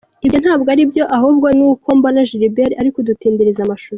Ibyo ntabwo ari byo, ahubwo ni uko mbona Gilbert ari kudutindiriza amashusho.